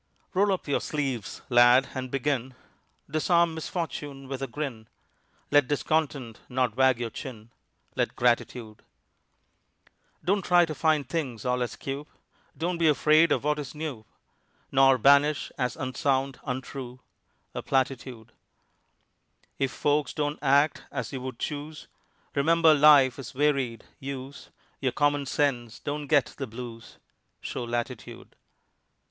Roll up your sleeves, lad, and begin; Disarm misfortune with a grin; Let discontent not wag your chin Let gratitude. Don't try to find things all askew; Don't be afraid of what is new; Nor banish as unsound, untrue, A platitude. If folks don't act as you would choose Remember life is varied; use Your common sense; don't get the blues; Show latitude.